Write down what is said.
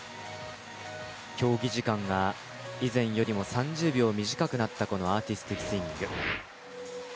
競技時間が、以前よりも３０秒短くなったアーティスティックスイミング。